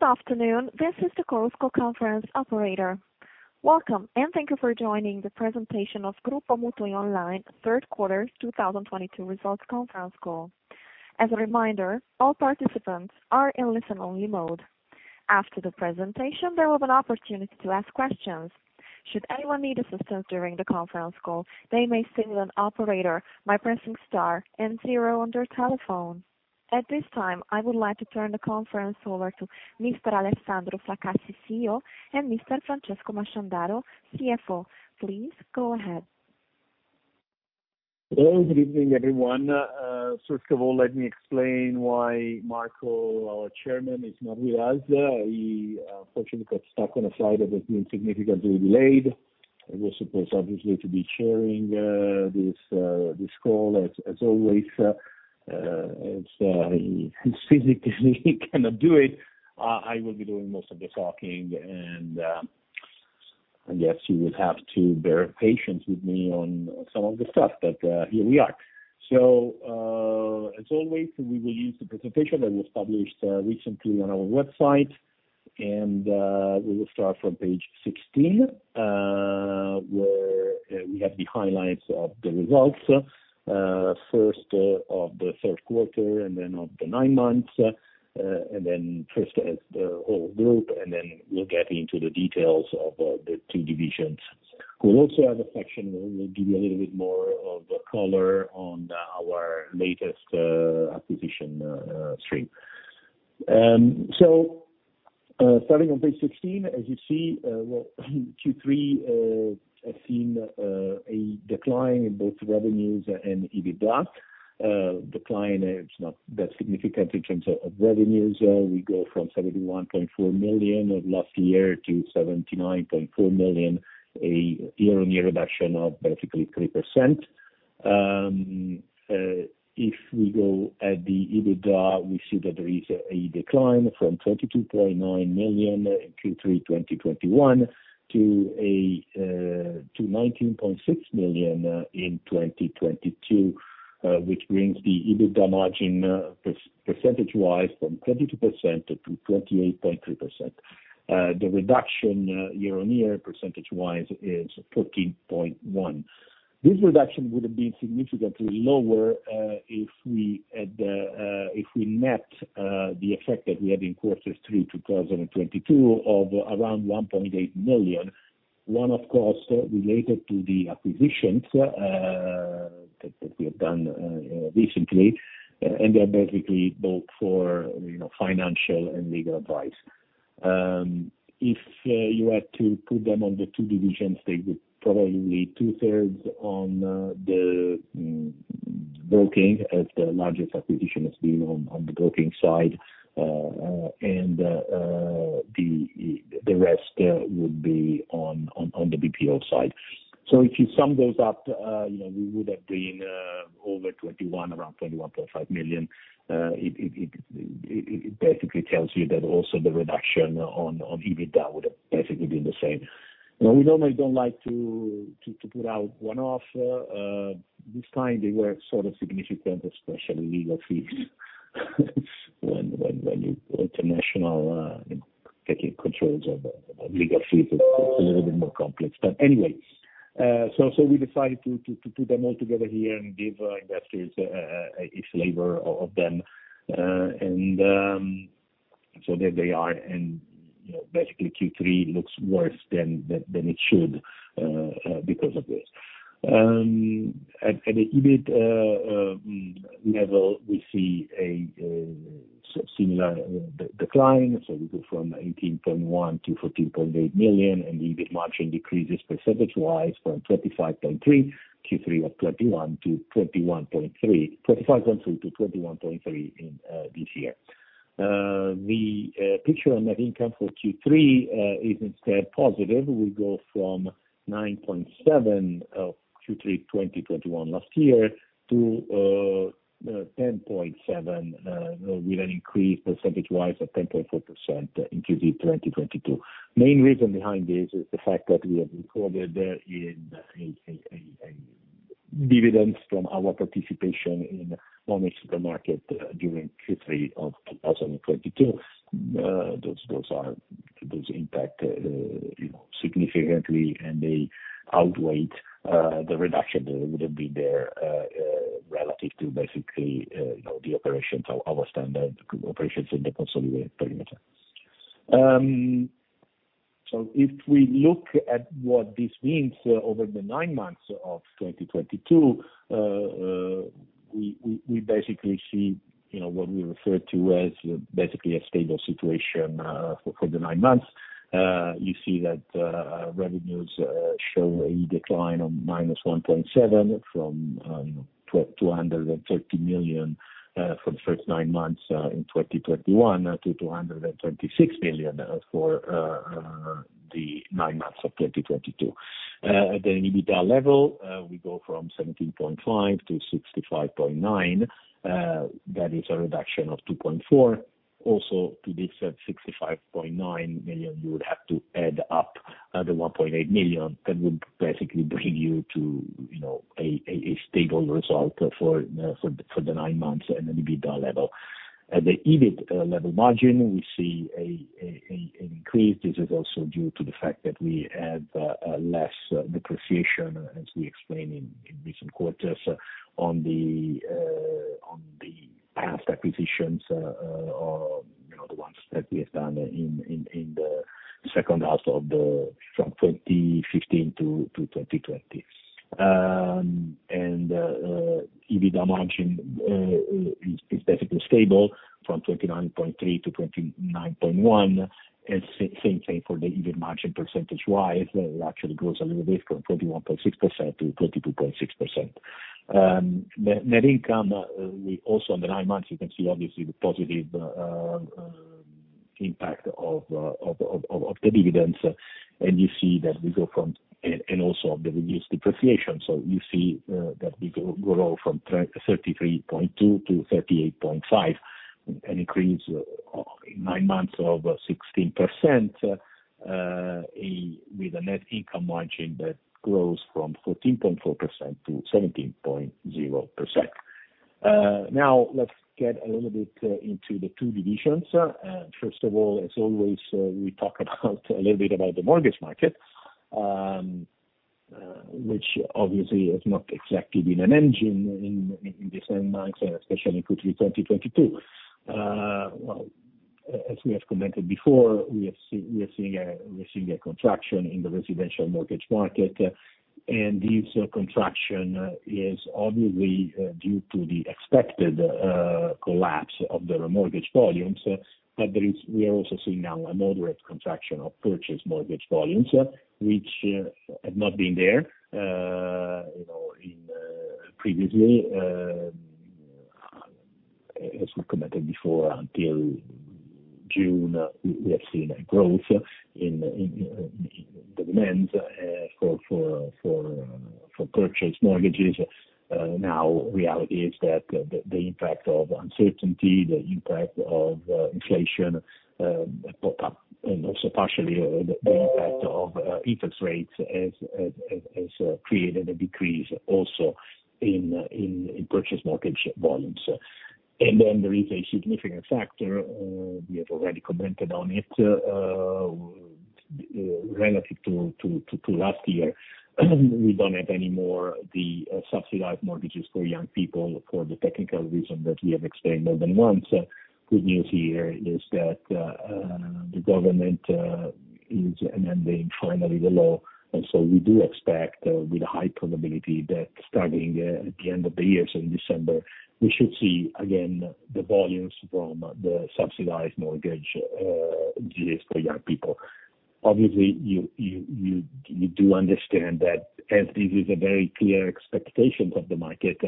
Good afternoon. This is the Coral Call Conference operator. Welcome, and thank you for joining the presentation of Gruppo MutuiOnline Third Quarter 2022 Results Conference Call. As a reminder, all participants are in listen-only mode. After the presentation, there will be an opportunity to ask questions. Should anyone need assistance during the conference call, they may signal an operator by pressing star and zero on their telephone. At this time, I would like to turn the conference over to Mr. Alessandro Fracassi, CEO, and Mr. Francesco Masciandaro, CFO. Please go ahead. Hello. Good evening, everyone. First of all, let me explain why Marco, our chairman, is not with us. He unfortunately got stuck on a flight that has been significantly delayed. He was supposed, obviously, to be chairing this call, as always. As he physically cannot do it, I will be doing most of the talking. I guess you will have to bear patience with me on some of the stuff. Here we are. As always, we will use the presentation that was published recently on our website. We will start from page 16, where we have the highlights of the results, first of the third quarter and then of the nine months. First as the whole group, and then we'll get into the details of the two divisions. We also have a section where we'll give you a little bit more of a color on our latest acquisition stream. Starting on page 16, as you see, well, Q3 has seen a decline in both revenues and EBITDA. Decline is not that significant in terms of revenues. We go from 79.4 million last year to 71.4 million, a year-on-year reduction of basically 3%. If we go at the EBITDA, we see that there is a decline from 22.9 million Q3 2021 to 19.6 million in 2022, which brings the EBITDA margin percent percentage-wise from 22% to 28.3%. The reduction year-on-year percentage-wise is 14.1%. This reduction would have been significantly lower if we hadn't had the effect that we had in quarter three 2022 of around 1.8 million. Which, of course, related to the acquisitions that we have done recently, and they are basically both for, you know, financial and legal advice. If you had to put them on the two divisions, they would probably be two-thirds on the broking as the largest acquisition has been on the broking side. And the rest would be on the BPO side. If you sum those up, you know, we would have been over 21 million, around 21.5 million. It basically tells you that also the reduction on EBITDA would have basically been the same. Now, we normally don't like to put out one-off. This time they were sort of significant, especially legal fees. When you're international, taking controls of legal fees, it's a little bit more complex. Anyways, we decided to put them all together here and give investors a flavor of them. There they are. You know, basically Q3 looks worse than it should because of this. At the EBIT level, we see a similar decline. We go from 18.1 million to 14.8 million, and EBIT margin decreases percentage wise from 25.3% in Q3 of 2021 to 21.3% in this year. The picture on net income for Q3 is instead positive. We go from 9.7 million in Q3 2021 last year to 10.7 million, with an increase percentage wise of 10.4% in Q3 2022. Main reason behind this is the fact that we have recorded dividends from our participation in MoneySuperMarket during Q3 of 2022. Those impacts you know significantly, and they outweigh the reduction that would have been there relative to basically you know the operations of our standalone group operations in the consolidated perimeter. If we look at what this means over the nine months of 2022, we basically see you know what we refer to as basically a stable situation for the nine months. You see that revenues show a decline of -1.7% from, you know, 230 million for the first nine months in 2021 to 226 million for the nine months of 2022. At the EBITDA level, we go from 17.5 million to 65.9 million. That is a reduction of 2.4 million. Also to this 65.9 million, you would have to add up the 1.8 million that would basically bring you to, you know, a stable result for the nine months at EBITDA level. At the EBIT level margin, we see an increase. This is also due to the fact that we have less depreciation, as we explained in recent quarters, on the past acquisitions, or you know the ones that we have done from 2015-2020. EBITDA margin is basically stable from 29.3%-29.1%. Same thing for the EBIT margin percentage-wise. It actually grows a little bit from 31.6%-32.6%. The net income, on the nine months, you can see obviously the positive impact of the dividends and also of the reduced depreciation. You see that we go from 33.2 million-38.5 million, an increase in nine months of 16%, with a net income margin that grows from 14.4%-17.0%. Now let's get a little bit into the two divisions. First of all, as always, we talk a little bit about the mortgage market, which obviously has not exactly been an engine in these nine months, and especially in Q3 2022. As we have commented before, we are seeing a contraction in the residential mortgage market. This contraction is obviously due to the expected collapse of the remortgage volumes. We are also seeing now a moderate contraction of purchase mortgage volumes, which had not been there previously, you know. As we commented before, until June, we have seen a growth in the demand for purchase mortgages. Now reality is that the impact of uncertainty, the impact of inflation pickup, and also partially the impact of interest rates has created a decrease also in purchase mortgage volumes. There is a significant factor we have already commented on it. Relative to last year, we don't have any more the subsidized mortgages for young people for the technical reason that we have explained more than once. Good news here is that the government is amending finally the law. We do expect with high probability that starting at the end of the year, so in December, we should see again the volumes from the subsidized mortgage deals for young people. Obviously, you do understand that as this is a very clear expectation of the market,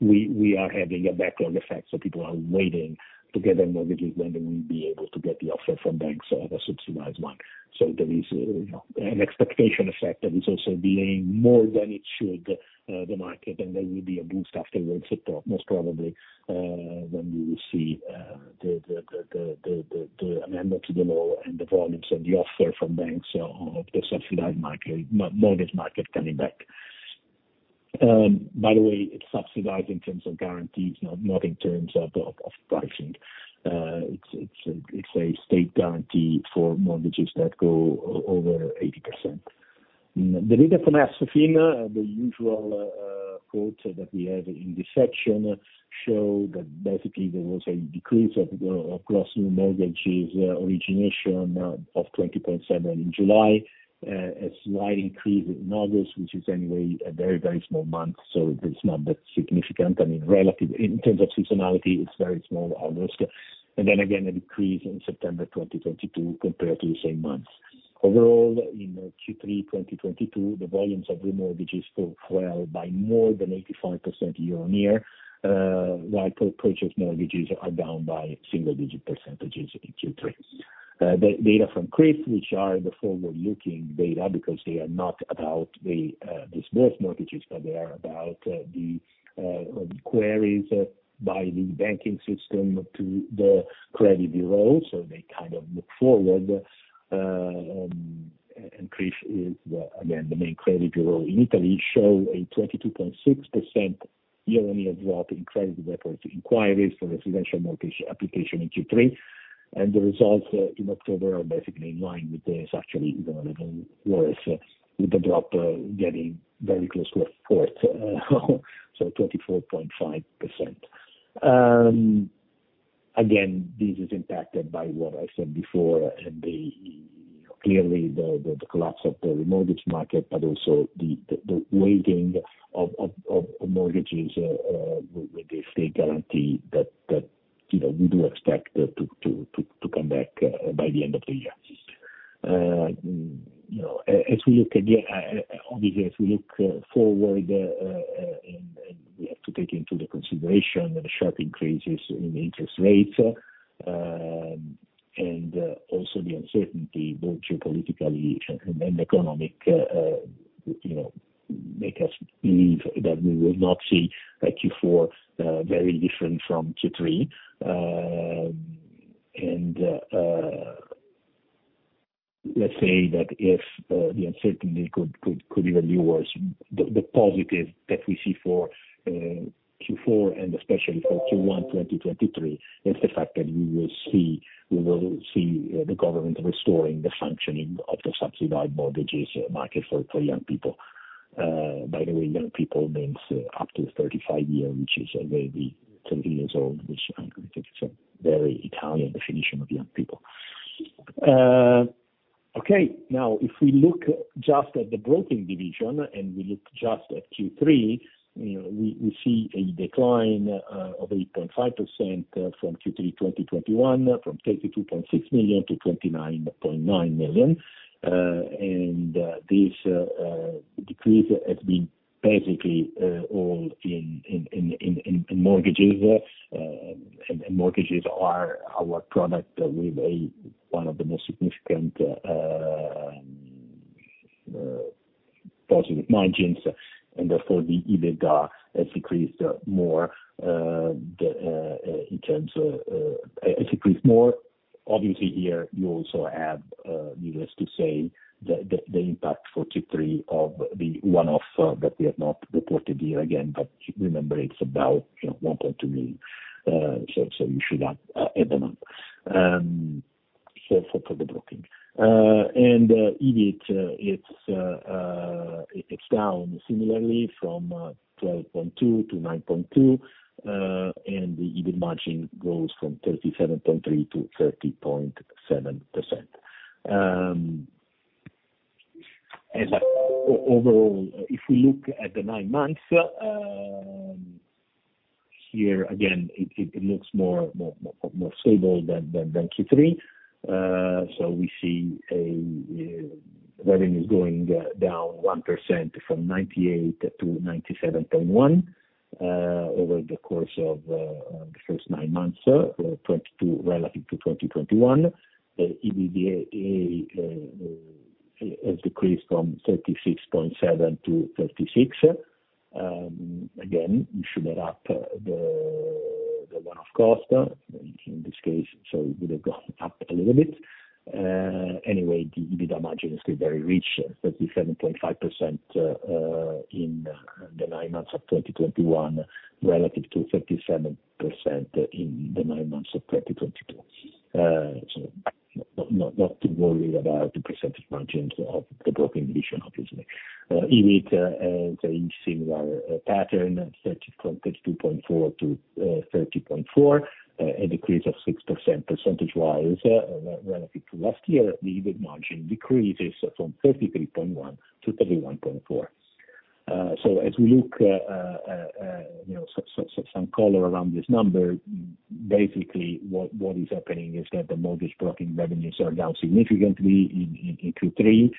we are having a backlog effect, so people are waiting to get their mortgages, when will we be able to get the offer from banks or the subsidized one. There is, you know, an expectation effect that is also delaying more than it should the market. There will be a boost afterwards, most probably, when we will see the amendment to the law and the volumes and the offer from banks of the subsidized market, mortgage market coming back. By the way, it's subsidized in terms of guarantees, not in terms of pricing. It's a state guarantee for mortgages that go over 80%. The data from Assofin, the usual quote that we have in this section, show that basically there was a decrease of gross new mortgages origination of 20.7% in July. A slight increase in August, which is anyway a very small month, so it's not that significant. I mean, in terms of seasonality, it's very small, August. Again, a decrease in September 2022 compared to the same month. Overall, in Q3 2022, the volumes of remortgages fell by more than 85% year-on-year. While purchase mortgages are down by single-digit percentages in Q3. The data from CRIF, which are the forward-looking data because they are not about the disbursed mortgages. They are about the queries by the banking system to the credit bureaus. They kind of look forward. CRIF is again the main credit bureau in Italy, show a 22.6% year-on-year drop in credit reference inquiries for residential mortgage application in Q3. The results in October are basically in line with this. Actually, they're a little worse, with the drop getting very close to a fourth, so 24.5%. Again, this is impacted by what I said before. Clearly the collapse of the remortgage market, but also the weighting of mortgages with the state guarantee that you know we do expect to come back by the end of the year. You know, as we look forward, we have to take into consideration the sharp increases in interest rates. Let's say that if the uncertainty could even be worse. The positive that we see for Q4 and especially for Q1 2023 is the fact that we will see the government restoring the functioning of the subsidized mortgages market for young people. By the way, young people means up to 35 years, which is maybe 30 years old, which I think is a very Italian definition of young people. Okay. Now, if we look just at the broking division and we look just at Q3, you know, we see a decline of 8.5% from Q3 2021, from 32.6 million to 29.9 million. This decrease has been basically all in mortgages. Mortgages are our product with one of the most significant positive margins, and therefore the EBITDA has decreased more in terms of. Obviously here you also have, needless to say, the impact for Q3 of the one-off that we have not reported here again, but remember, it's about, you know, 1.2 million. You should add them up. For the broking. EBIT, it's down similarly from 12.2 million to 9.2 million. The EBIT margin goes from 37.3% to 30.7%. Overall, if we look at the nine months, here again, it looks more stable than Q3. We see revenues going down 1% from 98 million-97.1 million over the course of the first nine months 2022 relative to 2021. The EBITDA has decreased from 36.7 million-36 million. Again, you should add up the one-off cost in this case, so it would have gone up a little bit. Anyway, the margin is still very rich, 37.5% in the nine months of 2021 relative to 37% in the nine months of 2022. Not to worry about the percentage margins of the broking division, obviously. EBIT, the similar pattern, 32.4 million-30.4 million, a decrease of 6% percentage-wise, relative to last year The EBIT margin decreases from 33.1%-31.4%. As we look, you know, some color around this number, basically what is happening is that the mortgage broking revenues are down significantly in Q3,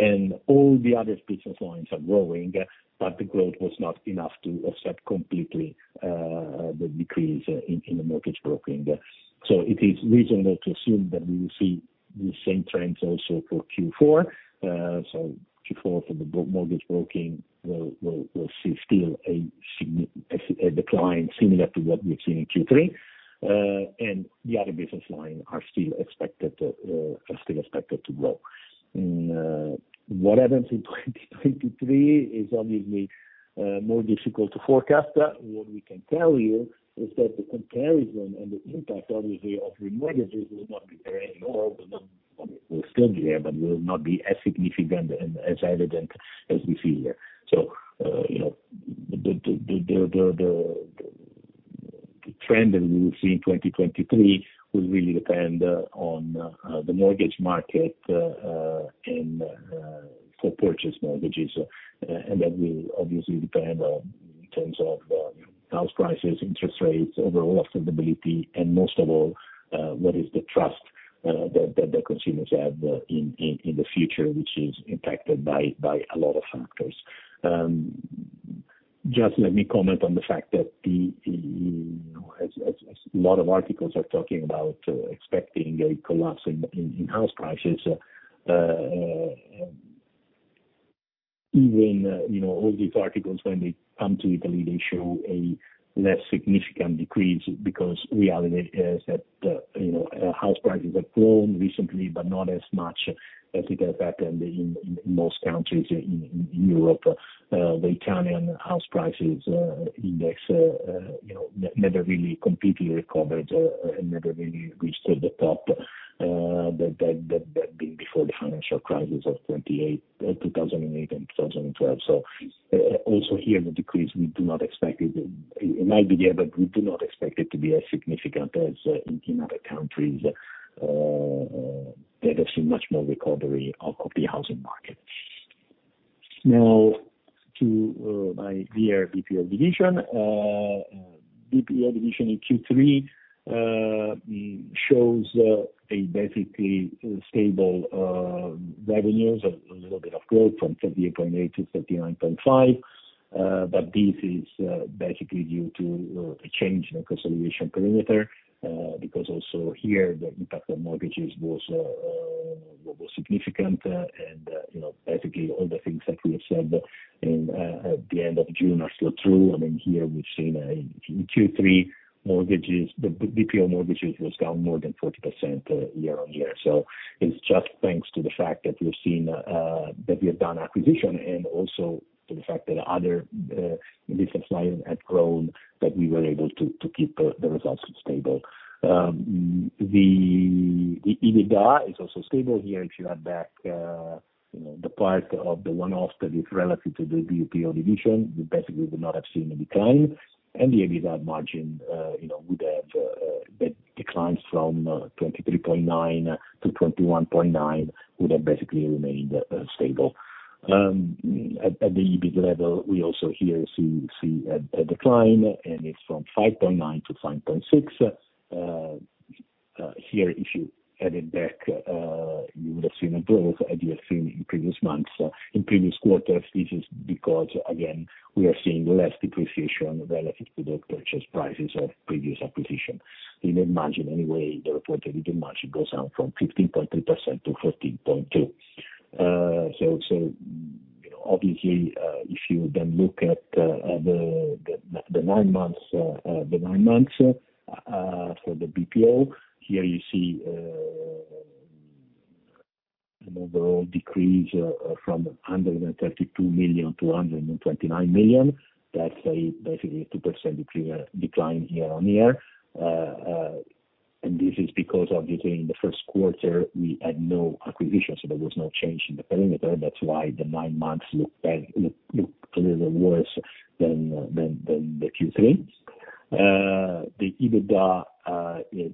and all the other business lines are growing, but the growth was not enough to offset completely the decrease in the mortgage broking. It is reasonable to assume that we will see the same trends also for Q4. Q4 for the mortgage broking will see still a decline similar to what we have seen in Q3. The other business lines are still expected to grow. What happens in 2023 is obviously more difficult to forecast. What we can tell you is that the comparison and the impact, obviously, of remortgages will not be there anymore. Will still be there, but will not be as significant and as evident as we see here. You know, the trend that we will see in 2023 will really depend on the mortgage market and for purchase mortgages. That will obviously depend on in terms of house prices, interest rates, overall affordability, and most of all, what is the trust that the consumers have in the future, which is impacted by a lot of factors. Just let me comment on the fact that you know, as a lot of articles are talking about expecting a collapse in house prices. Even, you know, all these articles when they come to Italy, they show a less significant decrease because reality is that, you know, house prices have grown recently, but not as much as it has happened in most countries in Europe. The Italian house prices index, you know, never really completely recovered and never really reached to the top, that being before the financial crisis of 2008 and 2012. Also here the decrease, we do not expect it might be there, but we do not expect it to be as significant as in other countries that have seen much more recovery of the housing market. Now to my dear BPO division. BPO division in Q3 shows a basically stable revenues, a little bit of growth from 38.8 million-39.5 million. This is basically due to a change in the consolidation perimeter, because also here the impact on mortgages was what was significant, and you know, basically, all the things that we have said in at the end of June are still true. I mean, here we've seen in Q3 the BPO mortgages was down more than 40% year-on-year. It's just thanks to the fact that we've seen that we have done acquisition and also to the fact that other business lines had grown, that we were able to keep the results stable. The EBITDA is also stable here. If you add back, you know, the part of the one-off that is relative to the BPO division, we basically would not have seen a decline. The EBITDA margin, you know, would have, that declines from 23.9%-21.9%, would have basically remained stable. At the EBIT level, we also see a decline, and it's from 5.9%-5.6%. Here, if you added back, you would have seen a growth as you have seen in previous months, in previous quarters. This is because, again, we are seeing less depreciation relative to the purchase prices of previous acquisition. Anyway, the reported EBITDA margin goes down from 15.3%-14.2%. Obviously, if you then look at the nine months for the BPO, here you see an overall decrease from 132 million-129 million. That's basically a 2% decline year-on-year. This is because obviously in the first quarter we had no acquisitions, so there was no change in the perimeter. That's why the nine months look a little worse than the Q3. The EBITDA is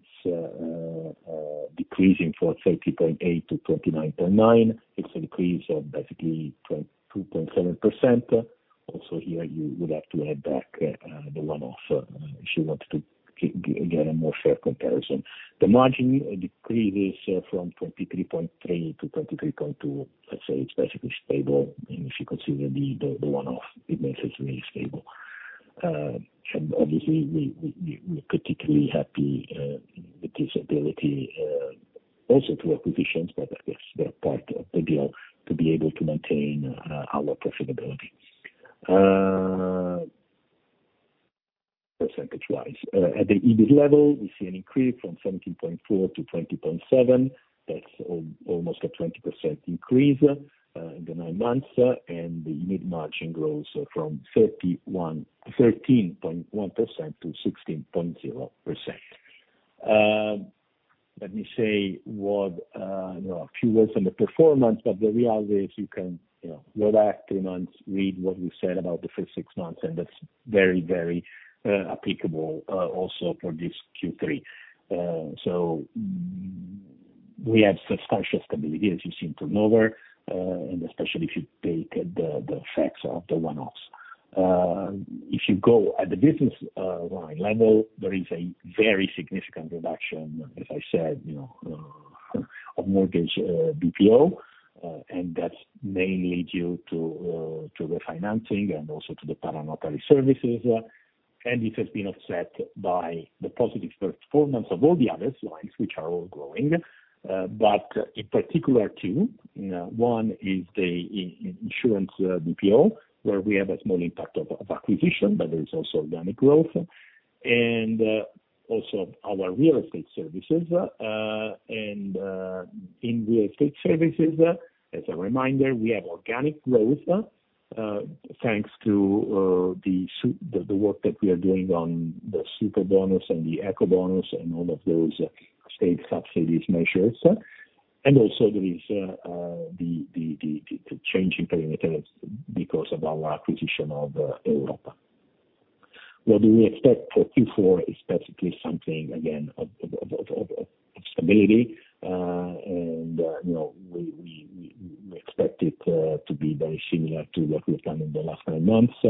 decreasing from 30.8 million-29.9 million. It's a decrease of basically 2.7%. Also here, you would have to add back the one-off if you wanted to get a more fair comparison. The margin decrease is 23.3%-23.2%. Let's say it's basically stable. If you consider the one-off, it makes it really stable. We're particularly happy with this ability also through acquisitions, but I guess they're part of the deal to be able to maintain our profitability percentage-wise. At the EBIT level, we see an increase 17.4 million-20.7 million. That's almost a 20% increase in the nine months. The EBIT margin grows 13.1%-16.0%. Let me say you know a few words on the performance, but the reality is you can you know go back three months, read what we said about the first six months, and that's very applicable also for this Q3. So we have substantial stability, as you seem to know, and especially if you take the effects of the one-offs. If you go at the business line level, there is a very significant reduction, as I said, you know, of mortgage BPO, and that's mainly due to refinancing and also to the paranotarial services. This has been offset by the positive performance of all the other lines, which are all growing, but in particular two. One is the insurance BPO, where we have a small impact of acquisition, but there is also organic growth. Also our real estate services. In real estate services, as a reminder, we have organic growth, thanks to the work that we are doing on the Superbonus and the Ecobonus and all of those state subsidies measures. Also there is the change in perimeter because of our acquisition of Europa. What do we expect for Q4 is basically something, again, of stability. You know, we expect it to be very similar to what we've done in the last nine months.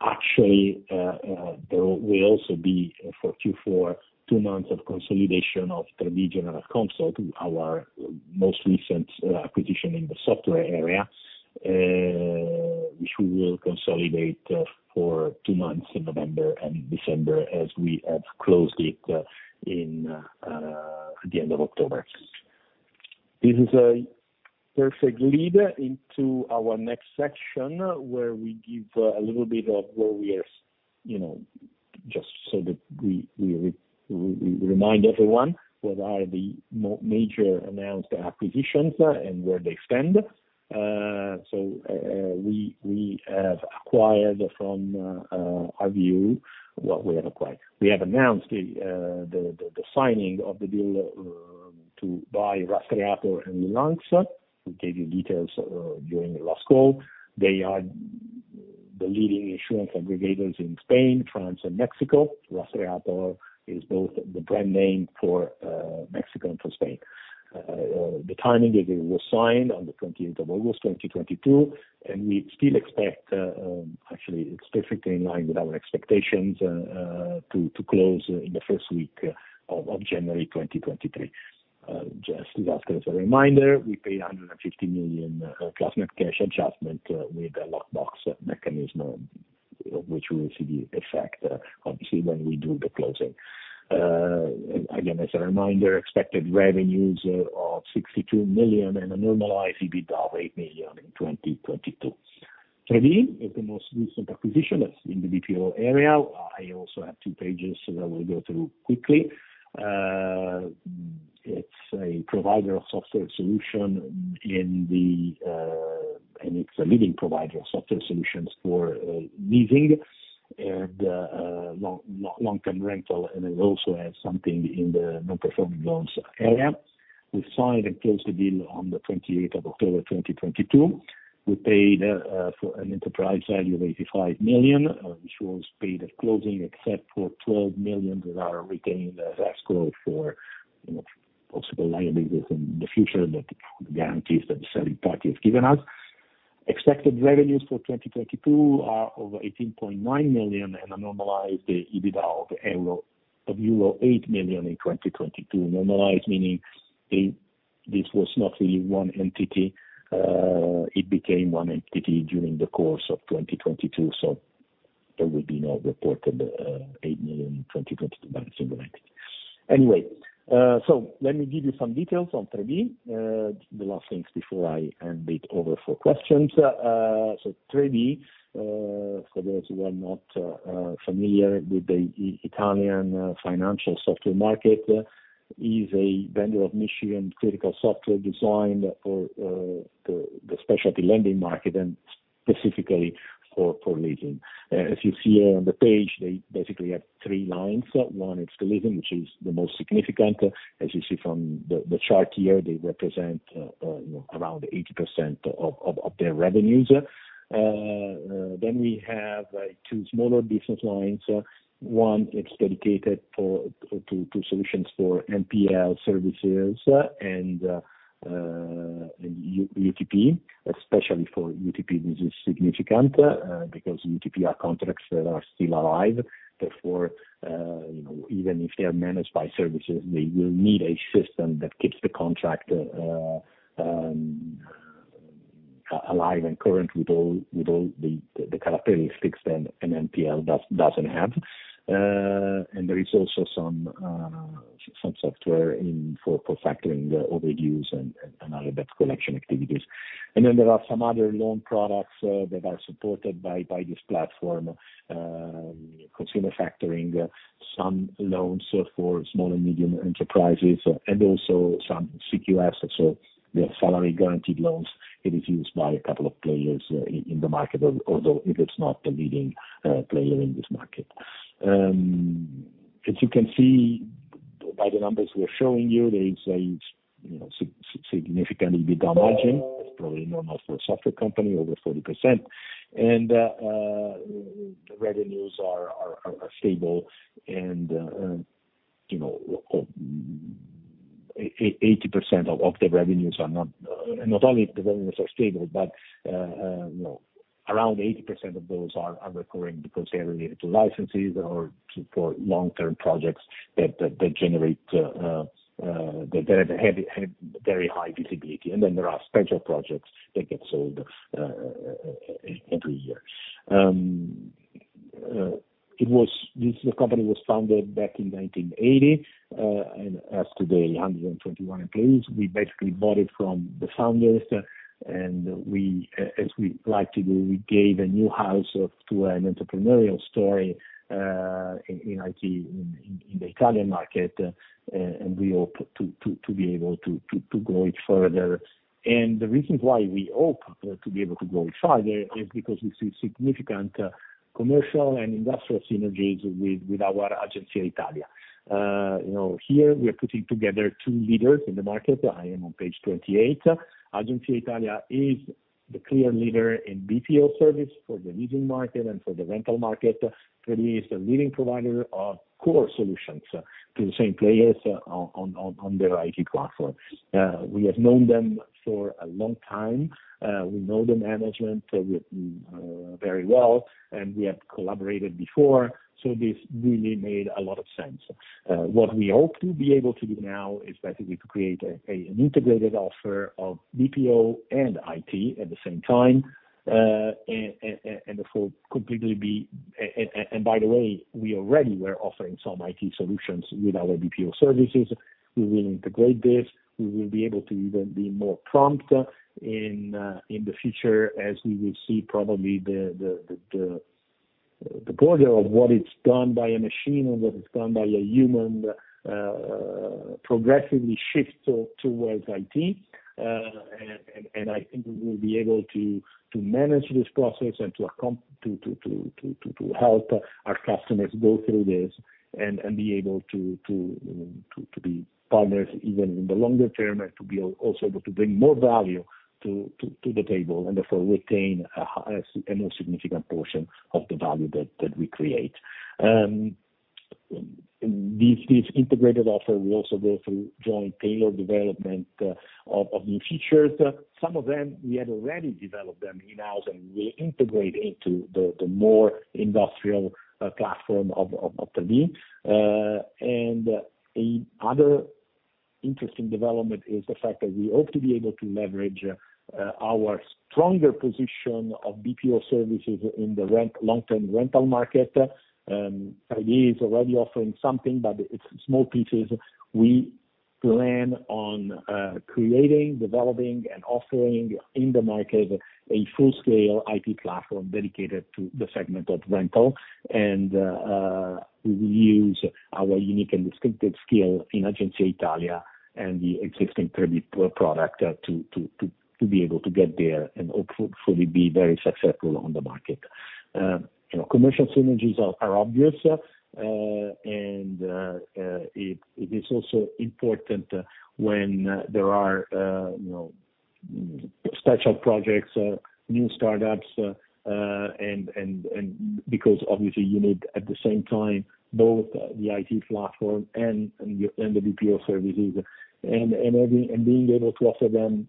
Actually, there will also be, for Q4, two months of consolidation of Trebi Generalconsult, our most recent acquisition in the software area, which we will consolidate for two months in November and December as we have closed it in the end of October. This is a perfect lead into our next section where we give a little bit of where we are, you know, just so that we remind everyone what are the major announced acquisitions and where they stand. We have acquired from our view what we have acquired. We have announced the signing of the deal to buy Rastreator and LeLynx. We gave you details during the last call. They are the leading insurance aggregators in Spain, France, and Mexico. Rastreator is both the brand name for Mexico and for Spain. The timing, the deal was signed on the 20th of August 2022, and we still expect, actually, it's perfectly in line with our expectations, to close in the first week of January 2023. Just as a reminder, we paid 150 million plus net cash adjustment with a locked box mechanism, which we will see the effect, obviously, when we do the closing. Again, as a reminder, expected revenues of 62 million and a normalized EBITDA of 8 million in 2022. Trebi is the most recent acquisition that's in the BPO area. I also have two pages that I will go through quickly. It's a leading provider of software solutions for leasing and long-term rental, and it also has something in the non-performing loans area. We signed and closed the deal on the 28th of October 2022. We paid for an enterprise value of 85 million, which was paid at closing, except for 12 million that are retained as escrow for, you know, possible liabilities in the future that guarantees that the selling party has given us. Expected revenues for 2022 are over 18.9 million and a normalized EBITDA of euro 8 million in 2022. Normalized meaning this was not really one entity. It became one entity during the course of 2022. There will be no report of 8 million in 2022, but it's in the EUR 90 million. Anyway, let me give you some details on Trebi. The last things before I hand it over for questions. Trebi, for those who are not familiar with the Italian financial software market, is a vendor of niche and critical software designed for the specialty lending market and specifically for leasing. As you see on the page, they basically have three lines. One is the leasing, which is the most significant. As you see from the chart here, they represent, you know, around 80% of their revenues. We have two smaller business lines. One is dedicated to solutions for NPL services and UTP, especially for UTP. This is significant because UTP are contracts that are still alive. Therefore, you know, even if they are managed by services, they will need a system that keeps the contract alive and current with all the characteristics that an NPL doesn't have. There is also some software for factoring the overdues and other debt collection activities. Then there are some other loan products that are supported by this platform, consumer factoring, some loans for small and medium enterprises, and also some CQS, so the salary guaranteed loans. It is used by a couple of players in the market, although it is not the leading player in this market. As you can see by the numbers we're showing you, there is a you know, significant EBITDA margin. It's probably normal for a software company, over 40%. The revenues are stable and you know, 80% of the revenues are not. Not only the revenues are stable, but you know, around 80% of those are recurring because they are related to licenses or to for long-term projects that generate they have very high visibility. Then there are special projects that get sold every year. This the company was founded back in 1980 and has today 121 employees. We basically bought it from the founders, and as we like to do, we gave a new house to an entrepreneurial story in IT in the Italian market, and we hope to be able to grow it further. The reason why we hope to be able to grow it further is because we see significant commercial and industrial synergies with our Agenzia Italia. You know, here we are putting together two leaders in the market. I am on page 28. Agenzia Italia is the clear leader in BPO service for the leasing market and for the rental market. Trebi is the leading provider of core solutions to the same players on their IT platform. We have known them for a long time. We know the management very well, and we have collaborated before, so this really made a lot of sense. What we hope to be able to do now is basically to create an integrated offer of BPO and IT at the same time. By the way, we already were offering some IT solutions with our BPO services. We will integrate this. We will be able to even be more prompt in the future as we will see probably the border of what is done by a machine and what is done by a human progressively shift towards IT. I think we will be able to manage this process and to help our customers go through this and be able to be partners even in the longer term and also to bring more value to the table and therefore retain a high, a more significant portion of the value that we create. This integrated offer will also go through joint tailored development of new features. Some of them, we had already developed them in-house, and we integrate into the more industrial platform of Trebi. Another interesting development is the fact that we hope to be able to leverage our stronger position of BPO services in the long-term rental market. Trebi is already offering something, but it's small pieces. We plan on creating, developing, and offering in the market a full-scale IT platform dedicated to the segment of rental. We use our unique and distinctive skill in Agenzia Italia and the existing Trebi product to be able to get there and hopefully be very successful on the market. You know, commercial synergies are obvious. It is also important when there are, you know, special projects, new startups, and because obviously you need at the same time, both the IT platform and the BPO services. Being able to offer them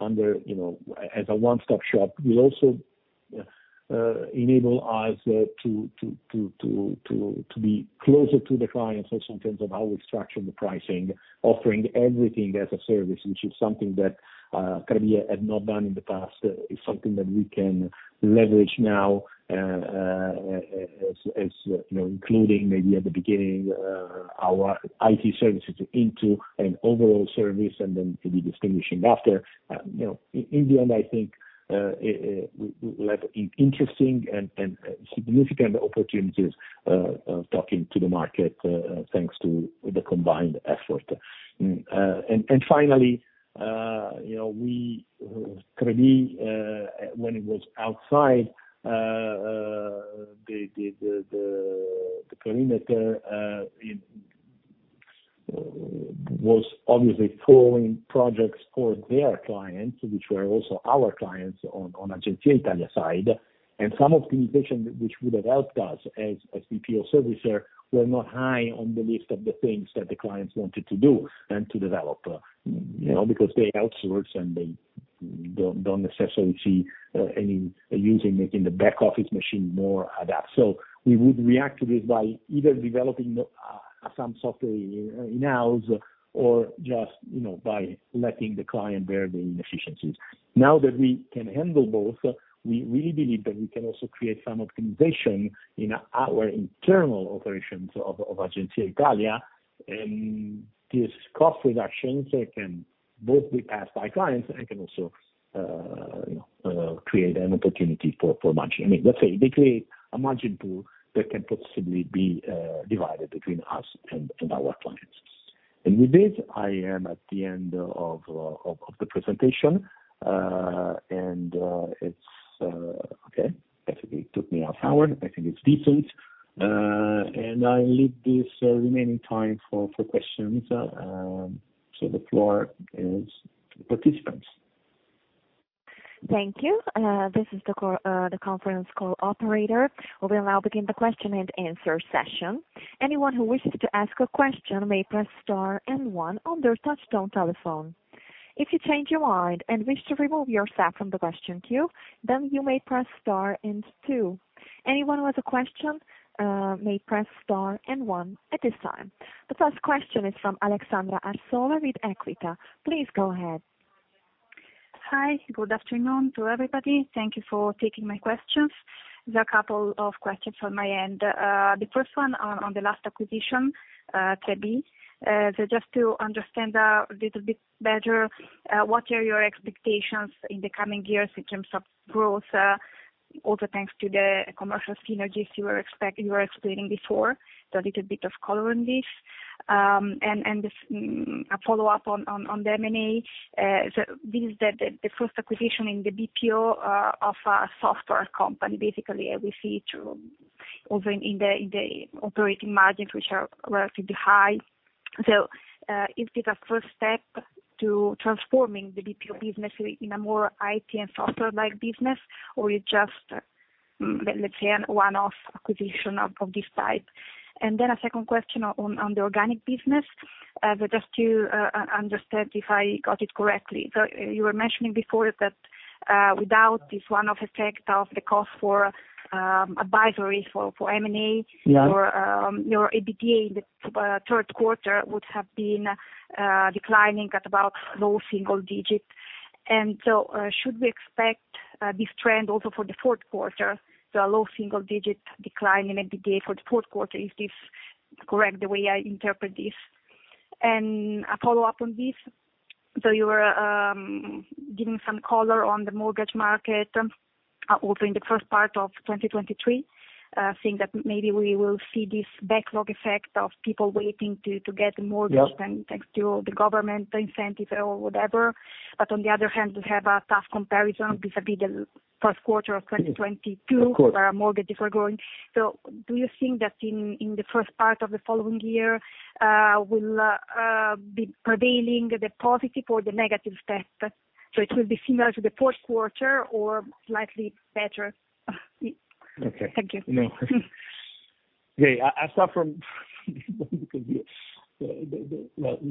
under, you know, as a one-stop shop will also enable us to be closer to the clients also in terms of how we structure the pricing, offering everything as a service, which is something that Trebi had not done in the past. It's something that we can leverage now, as you know, including maybe at the beginning our IT services into an overall service and then to be distinguishing after. You know, in the end, I think we will have interesting and significant opportunities of talking to the market thanks to the combined effort. Finally, you know, we—Trebi, when it was outside the perimeter, it was obviously pulling projects for their clients, which were also our clients on Agenzia Italia side. Some optimizations which would have helped us as a BPO servicer were not high on the list of the things that the clients wanted to do and to develop, you know, because they outsource, and they don't necessarily see any use in making the back-office machine more adept. We would react to this by either developing some software in-house or just, you know, by letting the client bear the inefficiencies. Now that we can handle both, we really believe that we can also create some optimization in our internal operations of Agenzia Italia. This cost reductions can both be passed by clients and can also, you know, create an opportunity for margin. I mean, let's say they create a margin pool that can possibly be divided between us and our clients. With this, I am at the end of the presentation. It's okay. I think it took me half hour. I think it's decent. I leave this remaining time for questions. The floor is participants. Thank you. This is the conference call operator. We will now begin the question-and-answer session. Anyone who wishes to ask a question may press star and one on their touchtone telephone. If you change your mind and wish to remove yourself from the question queue, then you may press star and two. Anyone who has a question may press star and one at this time. The first question is from Aleksandra Arsova with Equita. Please go ahead. Hi. Good afternoon to everybody. Thank you for taking my questions. There are a couple of questions on my end. The first one on the last acquisition, Trebi. Just to understand a little bit better, what are your expectations in the coming years in terms of growth, also thanks to the commercial synergies you were explaining before? A little bit of color on this. This, a follow-up on the M&A. This is the first acquisition in the BPO, of a software company, basically. We see this also in the operating margins, which are relatively high. Is this a first step to transforming the BPO business in a more IT and software-like business, or is just, let's say, a one-off acquisition of this type? Then a second question on the organic business, just to understand if I got it correctly. You were mentioning before that, without this one-off effect of the cost for advisory for M&A. Yeah. For your EBITDA in the third quarter would have been declining at about low single digits. Should we expect this trend also for the fourth quarter, so a low single digit decline in EBITDA for the fourth quarter? Is this correct, the way I interpret this? And a follow-up on this. You were giving some color on the mortgage market also in the first part of 2023 saying that maybe we will see this backlog effect of people waiting to get the mortgage. Yeah. Thanks to the government incentive or whatever. On the other hand, we have a tough comparison vis-à-vis the first quarter of 2022. Of course. Where our mortgages were growing. Do you think that in the first part of the following year, will be prevailing the positive or the negative step? It will be similar to the fourth quarter or slightly better? Okay. Thank you. No. Okay. Well, let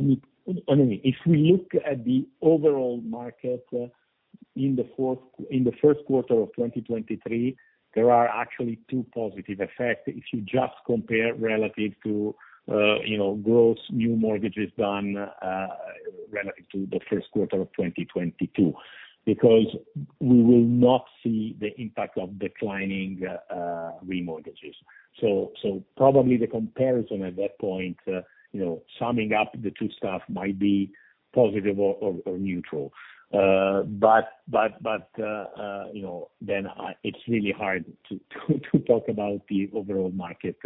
me—I mean, if we look at the overall market, in the first quarter of 2023, there are actually two positive effects if you just compare relative to, you know, gross new mortgages done, relative to the first quarter of 2022. Because we will not see the impact of declining remortgages. Probably the comparison at that point, you know, summing up the two stuff might be positive or neutral. But, you know, then it's really hard to talk about the overall market,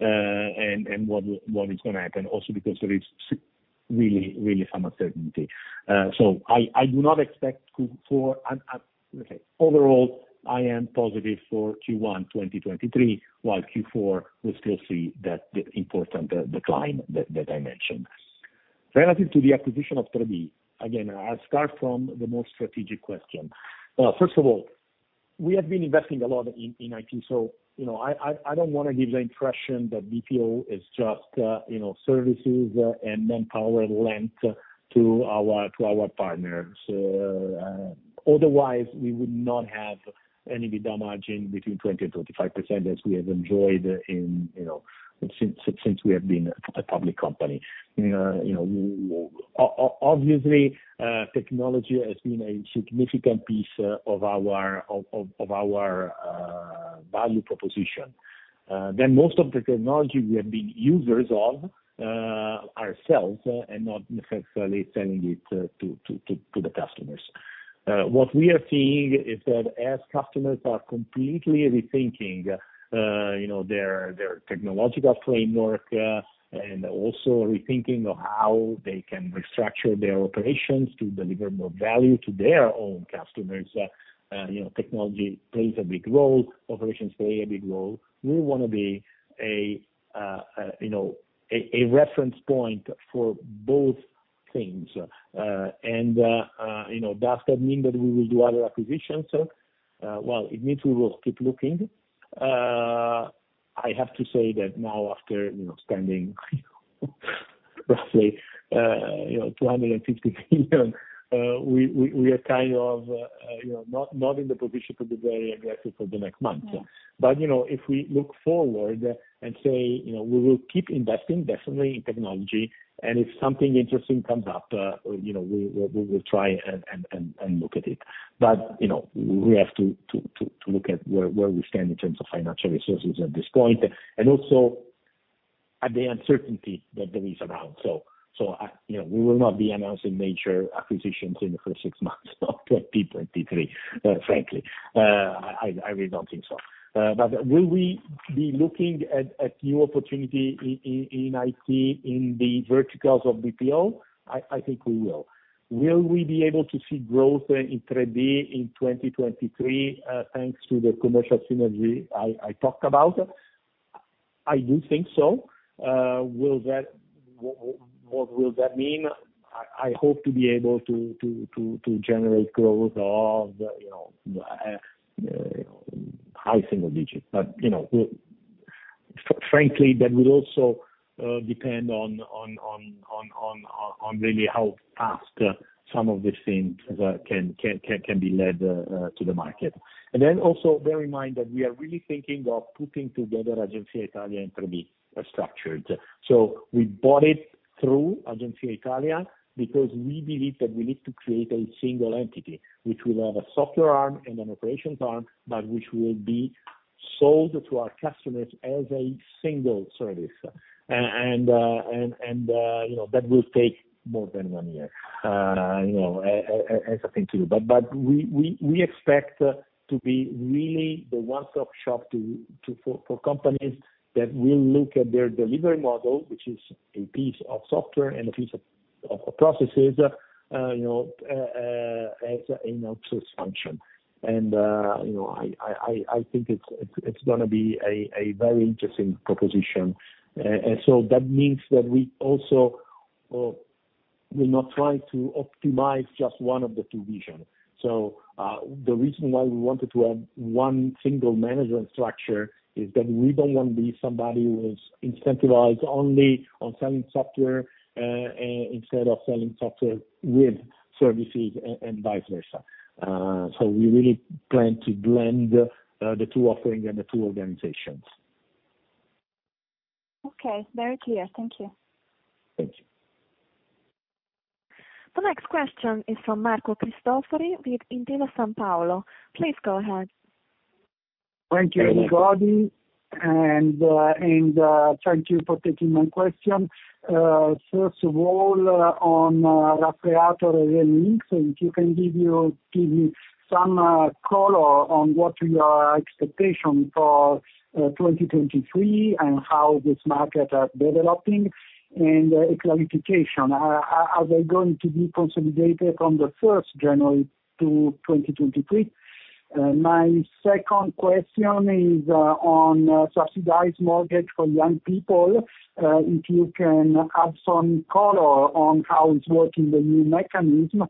and what is gonna happen also because there is really, really some uncertainty. I do not expect. Okay. Overall, I am positive for Q1 2023, while Q4 will still see that important decline that I mentioned. Relative to the acquisition of Trebi. Again, I'll start from the more strategic question. First of all, we have been investing a lot in IT, so, you know, I don't wanna give the impression that BPO is just, you know, services and manpower lent to our partners. Otherwise, we would not have any EBITDA margin between 20%-25% as we have enjoyed in, you know, since we have been a public company. You know, obviously, technology has been a significant piece of our value proposition. Most of the technology we have been users of ourselves and not necessarily selling it to the customers. What we are seeing is that as customers are completely rethinking you know their technological framework and also rethinking of how they can restructure their operations to deliver more value to their own customers you know technology plays a big role, operations play a big role. We wanna be a you know a reference point for both things. You know, does that mean that we will do other acquisitions? Well, it means we will keep looking. I have to say that now after, you know, spending, you know, roughly 250 million, we are kind of, you know, not in the position to be very aggressive for the next months. You know, if we look forward and say, you know, we will keep investing definitely in technology, and if something interesting comes up, you know, we will try and look at it. You know, we have to look at where we stand in terms of financial resources at this point, and also at the uncertainty that there is around. You know, we will not be announcing major acquisitions in the first six months of 2023, frankly. I really don't think so. Will we be looking at new opportunity in IT in the verticals of BPO? I think we will. Will we be able to see growth in Trebi in 2023, thanks to the commercial synergy I talked about? I do think so. What will that mean? I hope to be able to generate growth of, you know, high single digits. You know, frankly, that will also depend on really how fast some of these things can be led to the market. Then also bear in mind that we are really thinking of putting together Agenzia Italia and Trebi structures. We bought it through Agenzia Italia because we believe that we need to create a single entity, which will have a software arm and an operations arm, but which will be sold to our customers as a single service. You know, that will take more than one year, you know, as I think too. We expect to be really the one-stop shop to for companies that will look at their delivery model, which is a piece of software and a piece of processes, you know, as an outsource function. You know, I think it's gonna be a very interesting proposition. That means that we also will not try to optimize just one of the two visions. The reason why we wanted to have one single management structure is that we don't want to be somebody who is incentivized only on selling software, instead of selling software with services and vice versa. We really plan to blend the two offerings and the two organizations. Okay. Very clear. Thank you. Thank you. The next question is from Marco Cristofori with Intesa Sanpaolo. Please go ahead. Thank you. Thank you, everybody. Thank you for taking my question. First of all, on Rastreator and LeLynx, if you can give me some color on what your expectation for 2023 and how this market are developing, and a clarification. Are they going to be consolidated from the 1st January to 2023? My second question is on subsidized mortgage for young people. If you can add some color on how it's working, the new mechanism.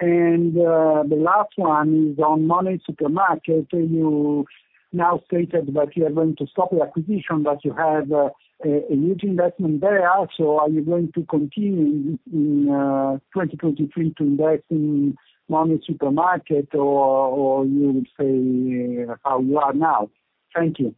The last one is on MoneySuperMarket. You now stated that you are going to stop the acquisition, but you have a huge investment there. Are you going to continue in 2023 to invest in MoneySuperMarket or you would say how you are now? Thank you.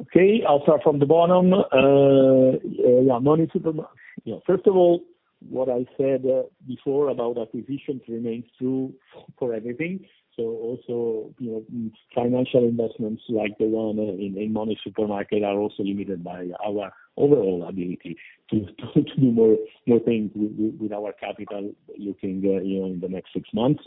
Okay, I'll start from the bottom. Yeah, MoneySuperMarket. You know, first of all, what I said before about acquisitions remains true for everything. Also, you know, financial investments like the one in MoneySuperMarket are also limited by our overall ability to do more things with our capital looking, you know, in the next six months.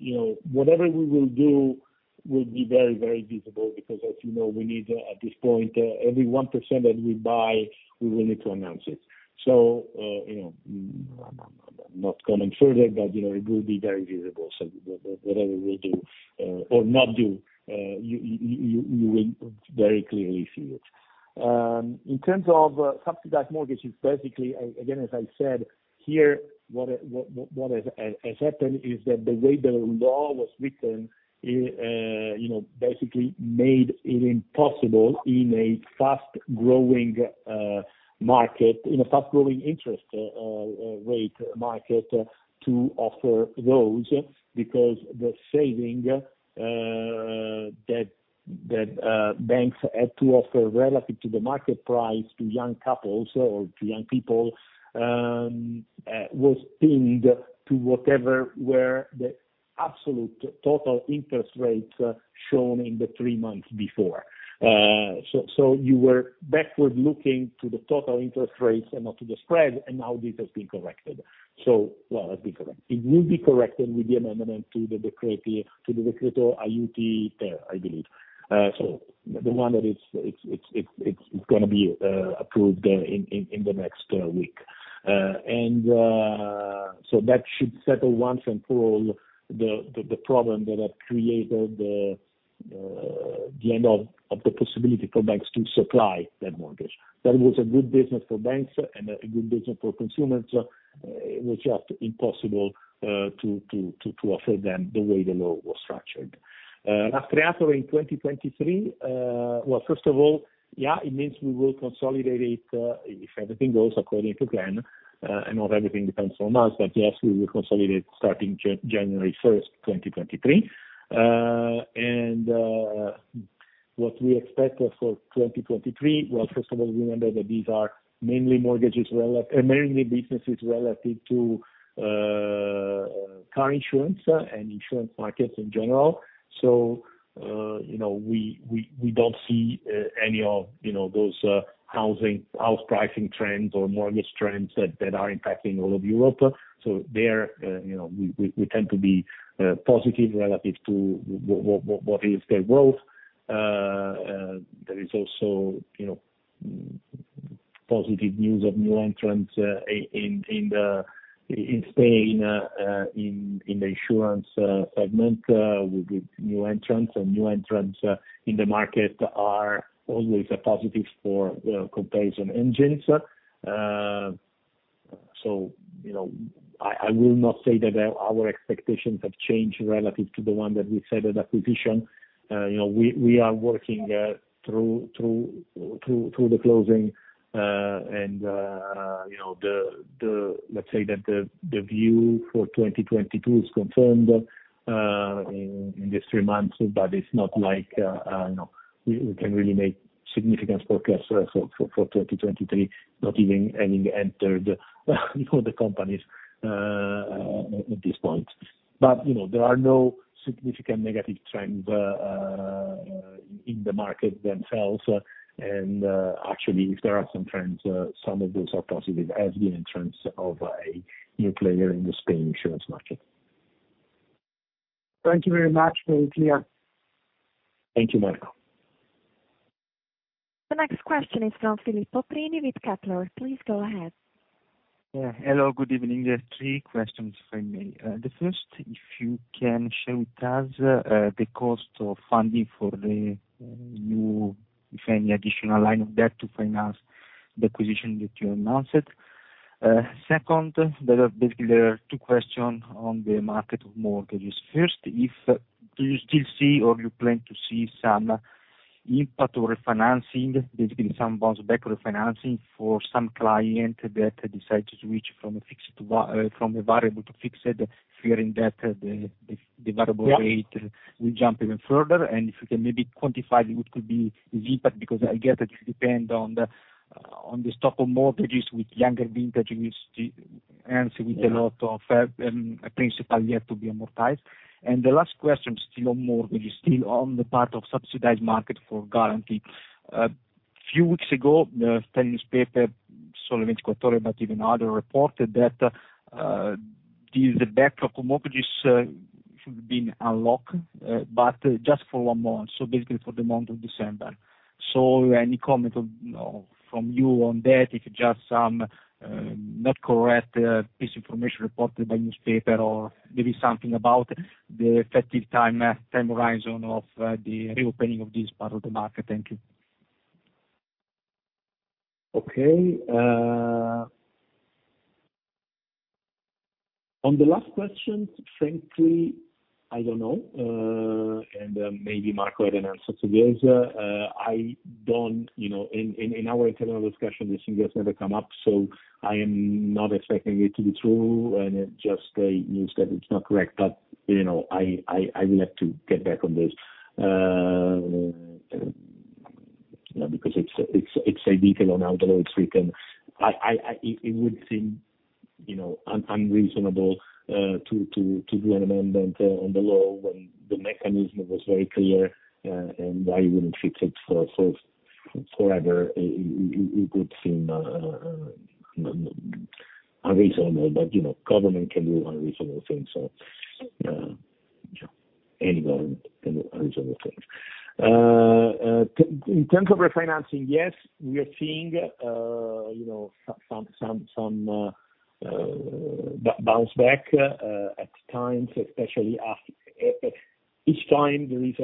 You know, whatever we will do will be very visible because as you know, we need at this point every 1% that we buy, we will need to announce it. You know, I'm not going further, but you know, it will be very visible. Whatever we do or not do, you will very clearly see it. In terms of subsidized mortgages, basically, as I said, here, what has happened is that the way the law was written, you know, basically made it impossible in a fast growing market, in a fast growing interest rate market to offer those because the saving that banks had to offer relative to the market price to young couples or to young people was pinned to whatever were the absolute total interest rates shown in the three months before. So you were backward looking to the total interest rates and not to the spread, and now this has been corrected. It will be corrected with the amendment to the decreto Aiuti ter, I believe. The one that's gonna be approved in the next week. That should settle once and for all the problem that have created the end of the possibility for banks to supply that mortgage. That was a good business for banks and a good business for consumers. It was just impossible to offer them the way the law was structured. Rastreator in 2023, well, first of all, yeah, it means we will consolidate it if everything goes according to plan. Not everything depends on us, but yes, we will consolidate starting January 1st, 2023. What we expect for 2023, well, first of all, remember that these are mainly businesses relative to car insurance and insurance markets in general. You know, we don't see any of, you know, those house pricing trends or mortgage trends that are impacting all of Europe. You know, we tend to be positive relative to what their growth is. There is also, you know, positive news of new entrants in Spain in the insurance segment with new entrants. New entrants in the market are always a positive for comparison engines. You know, I will not say that our expectations have changed relative to the one that we said at acquisition. You know, we are working through the closing. You know, let's say that the view for 2022 is confirmed in these three months, but it's not like you know, we can really make significant progress for 2023, not even having entered the companies at this point. You know, there are no significant negative trends in the market themselves. Actually, if there are some trends, some of those are positive, as the entrance of a new player in the Spanish insurance market. Thank you very much. Very clear. Thank you, Marco. The next question is from Filippo Prini with Kepler Cheuvreux. Please go ahead. Yeah. Hello, good evening. There are three questions from me. The first, if you can share with us the cost of funding for the new, if any, additional line of debt to finance the acquisition that you announced. Second, there are basically two questions on the market of mortgages. First, do you still see or you plan to see some impact or refinancing, basically some bounce back refinancing for some client that decide to switch from a variable to fixed, fearing that the variable rate- Yeah. Will jump even further? If you can maybe quantify what could be the impact, because I get that this depend on the, on the stock of mortgages with younger vintages, with a lot of principal yet to be amortized. The last question, still on mortgages, still on the part of subsidized market for guarantee. Few weeks ago, the Spanish paper, Expansión, but even others reported that, this backlog of mortgages, should be unlocked, but just for one month, so basically for the month of December. Any comment from you on that, if just some not correct piece of information reported by newspaper or maybe something about the effective time horizon of the reopening of this part of the market. Thank you. Okay. On the last question, frankly, I don't know. Maybe Marco had an answer to this. I don't. You know, in our internal discussion, this thing has never come up, so I am not expecting it to be true, and it just a news that it's not correct. You know, I will have to get back on this, you know, because it's a detail on how the law is written. It would seem, you know, unreasonable to do an amendment on the law when the mechanism was very clear, and why you wouldn't fix it for forever. It would seem unreasonable but, you know, government can do unreasonable things, so, you know, anyway, unreasonable things. In terms of refinancing, yes, we are seeing, you know, some bounce back at times, especially each time there is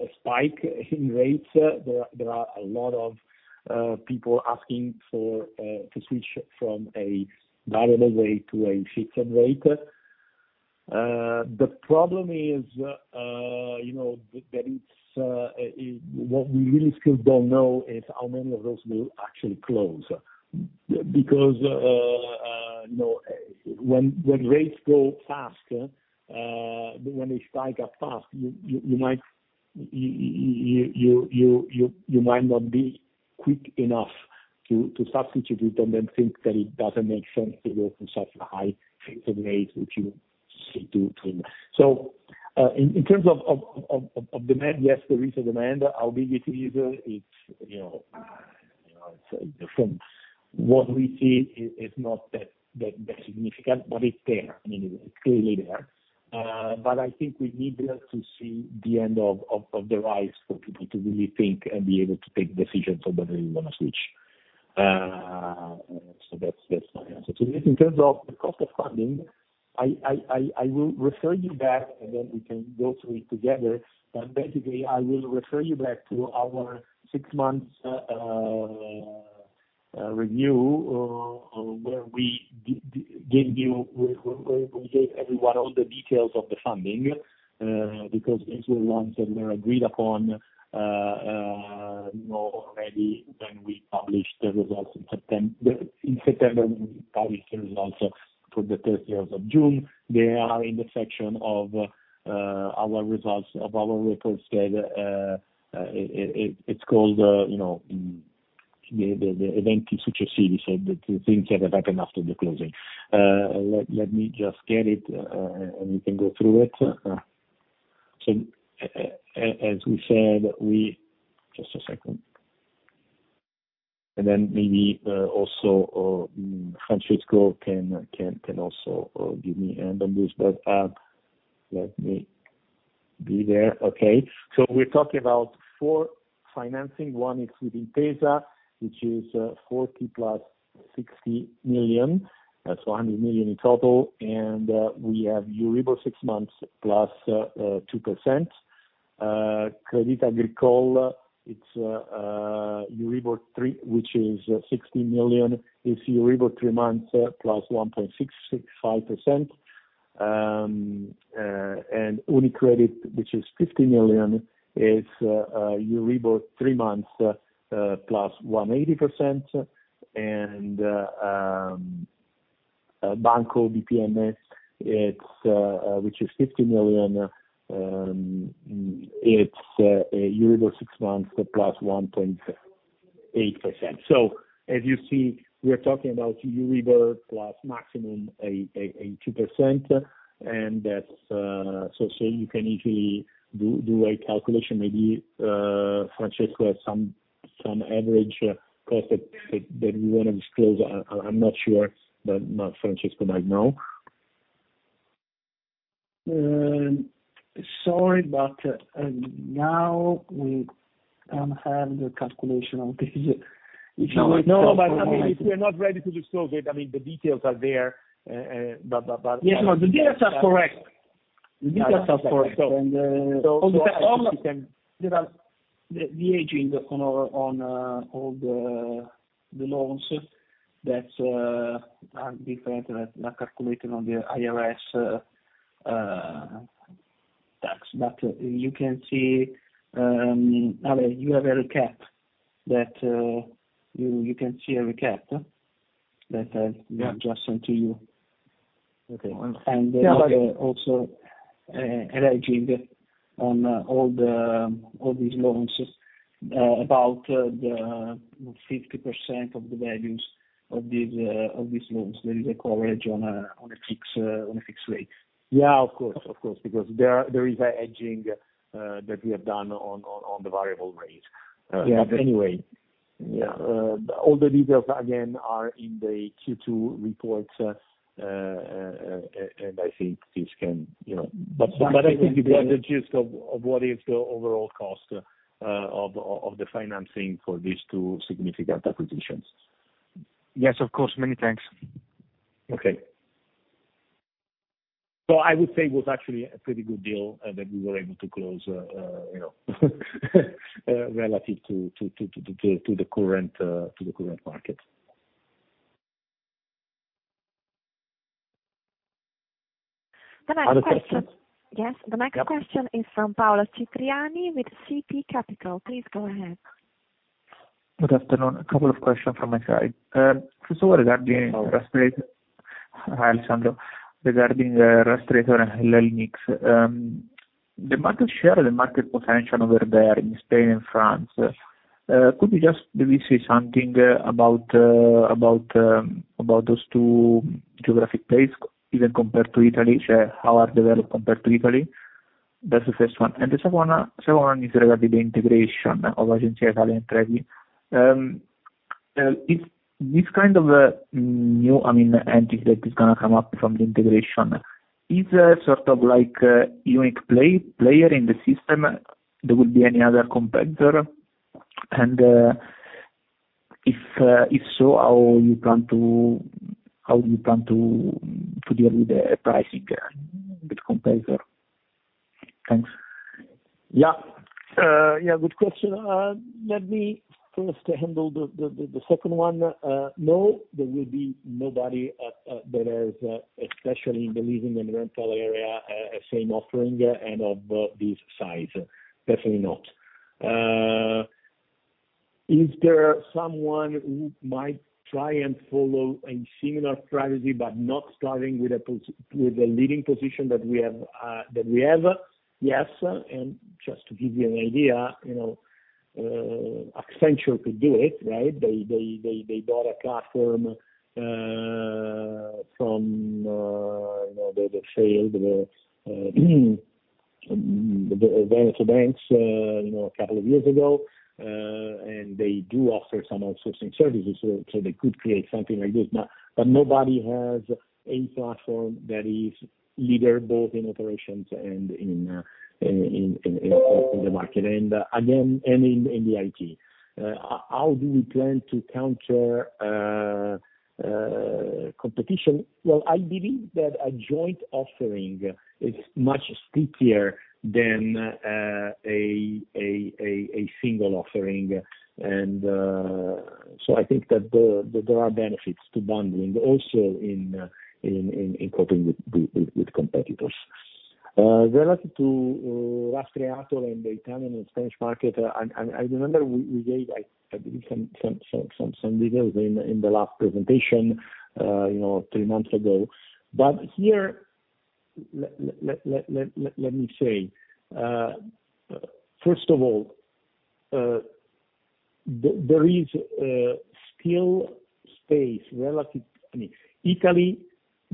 a spike in rates, there are a lot of people asking to switch from a variable rate to a fixed rate. The problem is, you know, that it's what we really still don't know is how many of those will actually close. Because, you know, when rates go fast, when they spike up fast, you might not be quick enough to substitute it, and then think that it doesn't make sense to go from such a high fixed rate, which you still do it. In terms of demand, yes, there is a demand. How big it is, it's, you know, it's different. What we see is not that significant, but it's there. I mean, it's clearly there. I think we need to see the end of the rise for people to really think and be able to take decisions on whether they wanna switch. That's my answer. In terms of the cost of funding, I will refer you back, and then we can go through it together. Basically I will refer you back to our six months review, where we gave everyone all the details of the funding, because these were loans that were agreed upon, you know, already when we published the results in September. We published the results for the first half of June. They are in the section of our results, of our reports that it's called, you know, the Eventi Successivi. The things that happened after the closing. Let me just get it, and we can go through it. As we said. Just a second. Then maybe also Francesco can also give me a hand on this. Let me be there. Okay. We're talking about four financing. One is within Intesa, which is 40 million + 60 million. That's 100 million in total. We have Euribor six months + 2%. Crédit Agricole, it's Euribor three months, which is EUR 60 million, is Euribor three months + 1.665%. Unicredit, which is 50 million, is Euribor three months + 1.80%. Banco BPM, it's which is 50 million, it's Euribor six months + 1.8%. You see, we are talking about Euribor + maximum a 2%. You can easily do a calculation. Maybe Francesco has some average cost that we wanna disclose. I'm not sure, but Francesco might know. Sorry, now we don't have the calculation on this. No, I mean, if we are not ready to disclose it, I mean, the details are there, but. Yes. No, the details are correct. The details are correct. So- all the You can There are the aging on all the loans that are calculated on the IRS tax. You can see a recap that I- Yeah. Just sent to you. Okay. Yeah. Also, aging on all these loans, about 50% of the values of these loans, there is a coverage on a fixed rate. Yeah. Of course. Because there is a hedging that we have done on the variable rates. Yeah. Anyway. Yeah. All the details again are in the Q2 reports. I think this can, you know. I think you get the gist of what is the overall cost of the financing for these two significant acquisitions. Yes, of course. Many thanks. Okay. I would say it was actually a pretty good deal that we were able to close, you know, relative to the current market. The next question, yes, the next question is from Paolo Cipriani with CP Capital. Please go ahead. Good afternoon. A couple of questions from my side. First of all, regarding Rastreator. Hi, Alessandro. Regarding Rastreator and LeLynx, the market share, the market potential over there in Spain and France, could you just maybe say something about those two geographic place even compared to Italy, how are they compared to Italy? That's the first one. The second one is regarding the integration of Agenzia Italia and Trebi. Is this kind of new, I mean, entity that is gonna come up from the integration sort of like a unique player in the system? Will there be any other competitor? If so, how you plan to deal with the pricing with competitor? Thanks. Yeah. Yeah, good question. Let me first handle the second one. No, there will be nobody that has, especially in the leasing and rental area, same offering, and of this size. Definitely not. Is there someone who might try and follow a similar strategy but not starting with a leading position that we have? Yes. Just to give you an idea, you know, Accenture could do it, right? They bought a platform from the failed banks a couple of years ago, and they do offer some outsourcing services, so they could create something like this. Now, nobody has a platform that is leader both in operations and in the market and in the IT. How do we plan to counter competition? Well, I believe that a joint offering is much stickier than a single offering. I think that there are benefits to bundling also in coping with competitors. Related to Rastreator and the Italian and Spanish market, I remember we gave, like, I believe some details in the last presentation, you know, three months ago. Here, let me say, first of all, there is still space relative. I mean, Italy,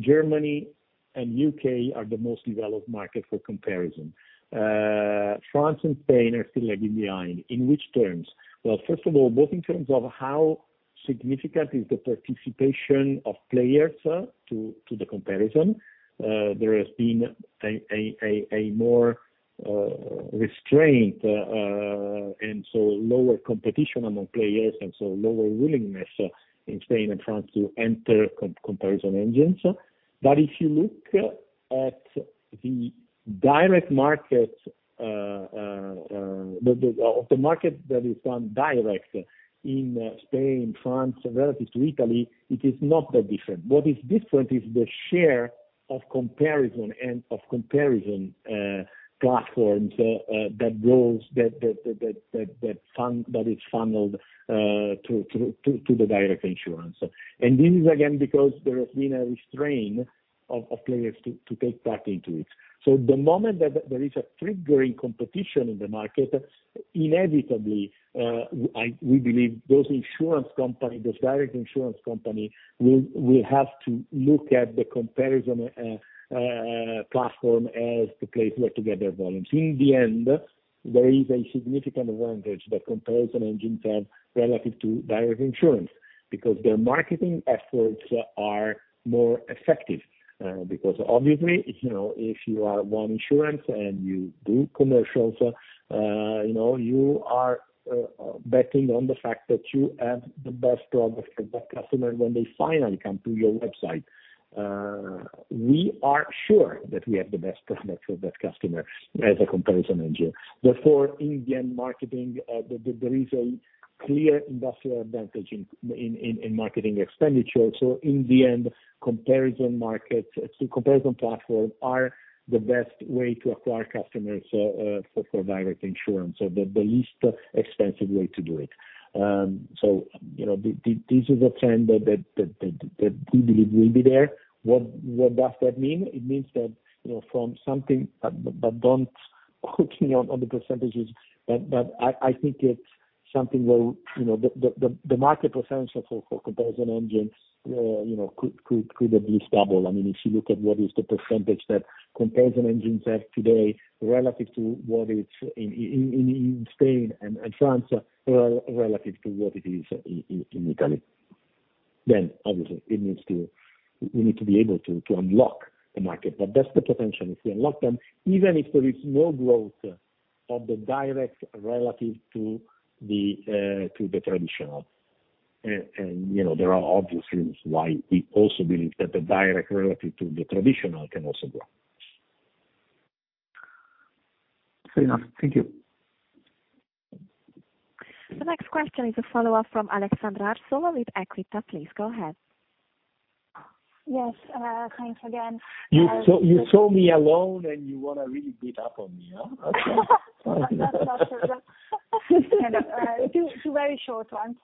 Germany and U.K. are the most developed market for comparison. France and Spain are still a bit behind. In which terms? Well, first of all, both in terms of how significant is the participation of players to the comparison, there has been a more restrained and so lower competition among players, and so lower willingness in Spain and France to enter comparison engines. If you look at the direct market, or the market that is done direct in Spain, France, relative to Italy, it is not that different. What is different is the share of comparison platforms that is funneled to the direct insurance. This is again, because there has been a restrained of players to take part into it. The moment that there is a triggering competition in the market, inevitably, we believe those insurance company, those direct insurance company will have to look at the comparison platform as the place where to get their volumes. In the end, there is a significant advantage that comparison engines have relative to direct insurance because their marketing efforts are more effective. Because obviously, you know, if you are one insurance and you do commercials, you know, you are betting on the fact that you have the best product for that customer when they finally come to your website. We are sure that we have the best product for that customer as a comparison engine. Therefore, in the end marketing, there is a clear industrial advantage in marketing expenditure. In the end, comparison platform are the best way to acquire customers for direct insurance, so the least expensive way to do it. You know, this is a trend that we believe will be there. What does that mean? It means that, you know, from something but don't quote me on the percentages, but I think it's something will, you know, the market potential for comparison engines, you know, could at least double. I mean, if you look at what is the percentage that comparison engines have today relative to what is in Spain and France relative to what it is in Italy, then obviously it needs to. We need to be able to unlock the market. That's the potential if we unlock them, even if there is no growth of the direct relative to the traditional. You know, there are obvious reasons why we also believe that the direct relative to the traditional can also grow. Fair enough. Thank you. The next question is a follow-up from Aleksandra Arsova with Equita. Please go ahead. Yes, thanks again. You, so you saw me alone, and you wanna really beat up on me, huh? Okay. That's not true. No, no. Two very short ones.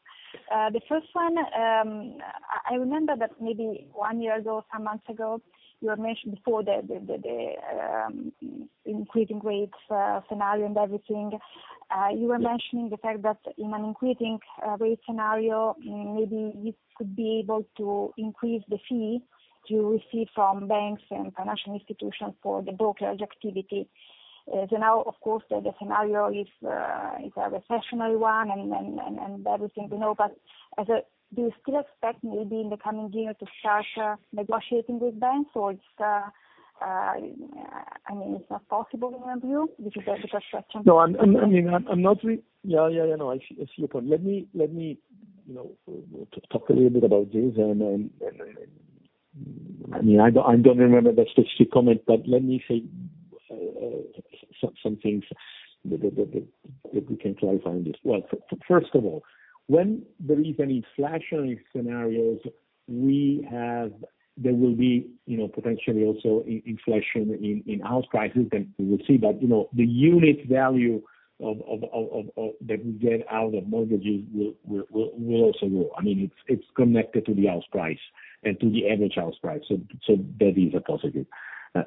The first one, I remember that maybe one year ago, some months ago, you had mentioned before the increasing rates scenario and everything. You were mentioning the fact that in an increasing rate scenario, maybe you could be able to increase the fee to receive from banks and financial institutions for the brokerage activity. Now, of course, the scenario is a recessionary one and everything, you know. Do you still expect maybe in the coming year to start negotiating with banks or it's not possible in your view? This is the first question. No. Yeah. I see your point. Let me, you know, talk a little bit about this. I mean, I don't remember the specific comment, but let me say some things that we can clarify on this. Well, first of all, when there is any inflationary scenarios we have. There will be, you know, potentially also inflation in house prices, and we will see. You know, the unit value of that we get out of mortgages will also grow. I mean, it's connected to the house price and to the average house price. That is a positive.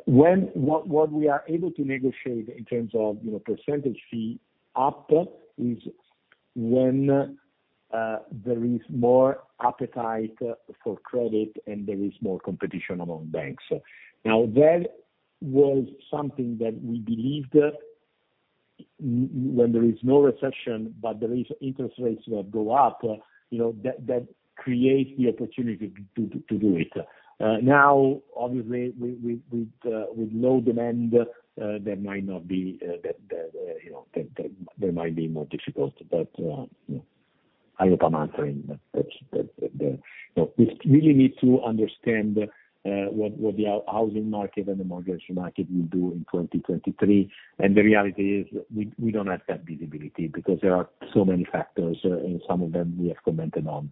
What we are able to negotiate in terms of, you know, percentage fee up is when there is more appetite for credit and there is more competition among banks. Now, that was something that we believed, when there is no recession, but there is interest rates that go up, you know, that creates the opportunity to do it. Now, obviously with low demand, there might not be. That, you know, that there might be more difficult. But, you know, I hope I'm answering the. You know, we really need to understand what the housing market and the mortgage market will do in 2023. The reality is we don't have that visibility because there are so many factors, and some of them we have commented on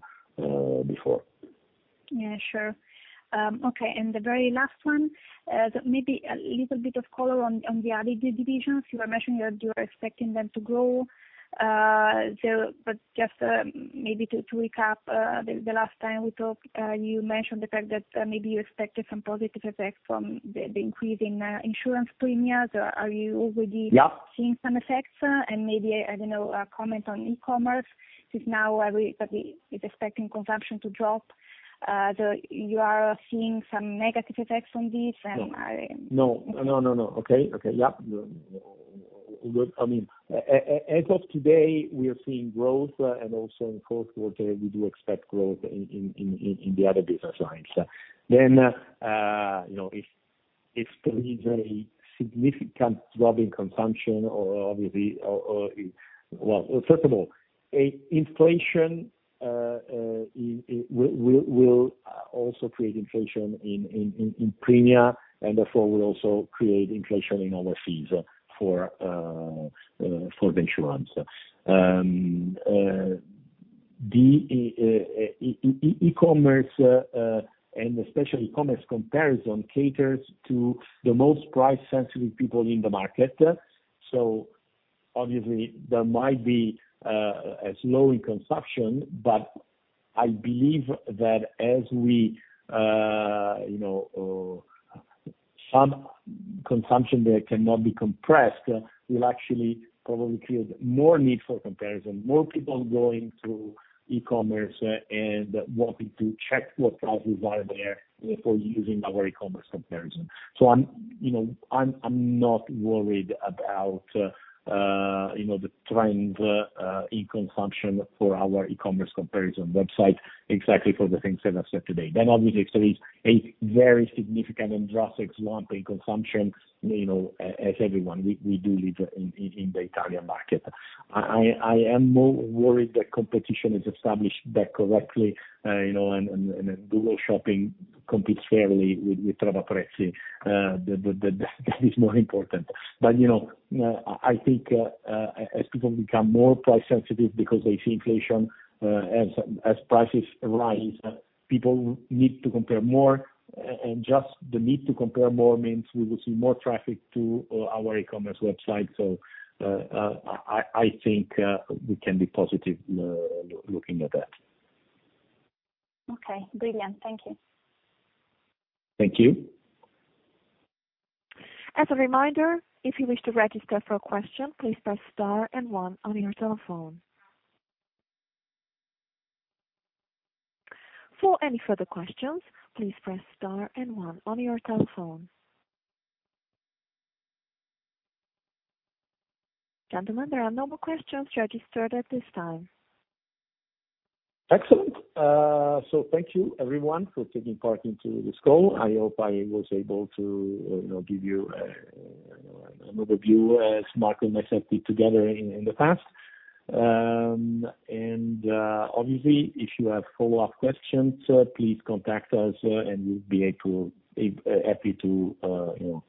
before. Yeah, sure. Okay. The very last one, maybe a little bit of color on the other divisions. You were mentioning that you are expecting them to grow. Just maybe to recap. The last time we talked, you mentioned the fact that maybe you expected some positive effects from the increasing insurance premiums. Are you already- Yeah. Seeing some effects? Maybe, I don't know, comment on e-commerce since now everybody is expecting consumption to drop. You are seeing some negative effects on this? No, no. Okay. Okay. Yeah. Well, I mean, as of today, we are seeing growth, and also in fourth quarter, we do expect growth in the other business lines. Then, you know, if there is a significant drop in consumption or obviously. Well, first of all, inflation, it will also create inflation in premiums, and therefore will also create inflation in our fees for the insurance. The e-commerce, and especially e-commerce comparison caters to the most price-sensitive people in the market. So obviously there might be a slowdown in consumption, but I believe that as we, you know. Some consumption that cannot be compressed will actually probably create more need for comparison, more people going to e-commerce, and wanting to check what prices are there, for using our e-commerce comparison. I'm, you know, not worried about, you know, the trend in consumption for our e-commerce comparison website, exactly for the things that I've said today. Obviously if there is a very significant and drastic slump in consumption, you know, as everyone, we do live in the Italian market. I am more worried that competition is established correctly, you know, and then Google Shopping competes fairly with Trovaprezzi. That is more important. You know, I think, as people become more price sensitive because they see inflation, as prices rise, people need to compare more. Just the need to compare more means we will see more traffic to our e-commerce website. I think we can be positive looking at that. Okay. Brilliant. Thank you. Thank you. As a reminder, if you wish to register for a question, please press star and one on your telephone. For any further questions, please press star and one on your telephone. Gentlemen, there are no more questions registered at this time. Excellent. So thank you everyone for taking part in this call. I hope I was able to, you know, give you know, an overview as Marco and myself did together in the past. Obviously, if you have follow-up questions, please contact us, and we'll be happy to, you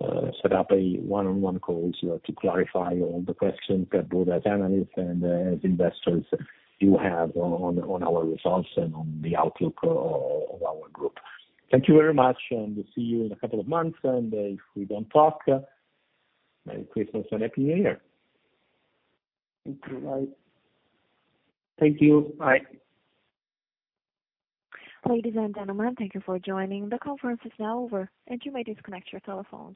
know, set up a one-on-one calls, to clarify all the questions that both as analysts and as investors you have on our results and on the outlook of our group. Thank you very much, and we'll see you in a couple of months. If we don't talk, Merry Christmas and Happy New Year. Thank you. Bye. Thank you. Bye. Ladies and gentlemen, thank you for joining. The conference is now over, and you may disconnect your telephones.